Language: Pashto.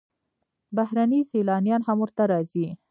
بهرني سیلانیان هم ورته راځي.